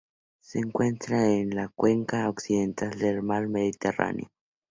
Se encuentra en la cuenca occidental del Mar Mediterráneo.